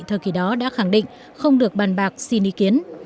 thời kỳ đó đã khẳng định không được bàn bạc xin ý kiến